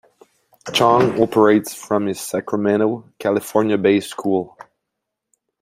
Chong operates from his Sacramento, California-based school.